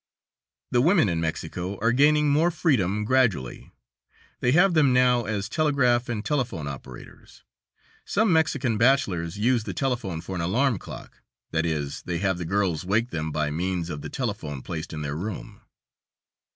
The women in Mexico are gaining more freedom gradually; they have them now as telegraph and telephone operators. Some Mexican bachelors use the telephone for an alarm clock, that is, they have the girls wake them by means of the telephone placed in their room.